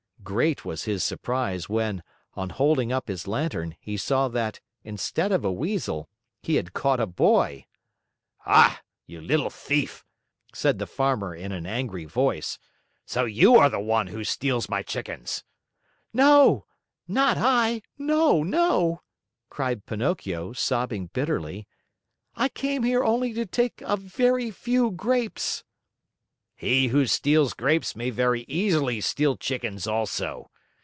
Great was his surprise when, on holding up his lantern, he saw that, instead of a Weasel, he had caught a boy! "Ah, you little thief!" said the Farmer in an angry voice. "So you are the one who steals my chickens!" "Not I! No, no!" cried Pinocchio, sobbing bitterly. "I came here only to take a very few grapes." "He who steals grapes may very easily steal chickens also.